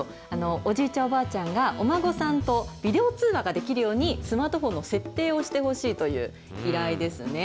おじいちゃん、おばあちゃんが、お孫さんとビデオ通話ができるように、スマートフォンの設定をしてほしいという依頼ですね。